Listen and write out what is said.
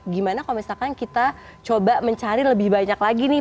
gimana kalau misalkan kita coba mencari lebih banyak lagi nih